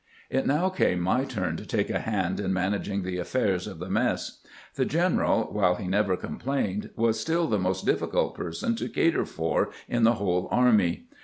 It now came my turn to take a hand in managing the affairs of the mess. The general, while he never complained, was stiU the most difficult person to cater for in the whole army.